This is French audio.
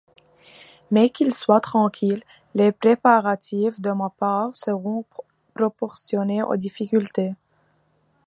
Mais qu'il soit tranquille, les préparatifs de ma part seront proportionnés aux difficultés.